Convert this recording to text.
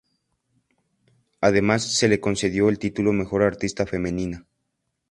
Además se le concedió el título mejor artista femenina.